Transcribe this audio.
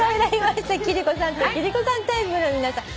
貴理子さんと貴理子さんタイプの皆さん